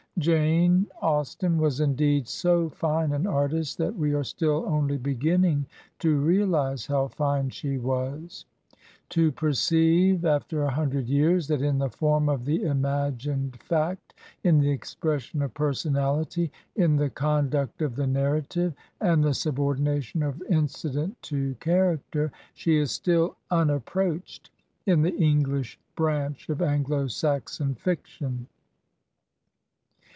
Jane Austen was indeed so fine an artist, that we are still only beginning to realize how fine she was ; to perceive, after a hundred years, that in the form of ithe imagined fact, in the expression of personahty , in [ the conduct of the narrative^ and the subordination of find dent in charac ier. she is still unapproached in the English branch of Anglo Saxon fiction.